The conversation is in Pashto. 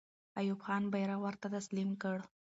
ایوب خان بیرغ ورته تسلیم کړ.